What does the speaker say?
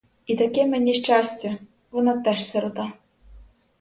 І таке мені щастя: вона теж сирота.